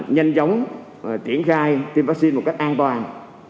nhanh chóng và triển khai tiêm vaccine một cách an toàn